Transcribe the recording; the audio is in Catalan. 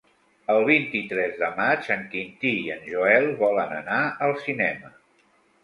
El vint-i-tres de maig en Quintí i en Joel volen anar al cinema.